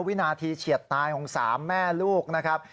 วินาทีเฉียดตายของ๓แม่ลูกนะครับ